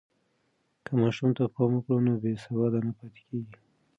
که ماشوم ته پام وکړو، نو بې سواده نه پاتې کېږي.